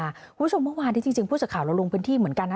คุณผู้ชมภาวานที่จริงพูดจากข่าวแล้วลงเป็นที่เหมือนกันนะ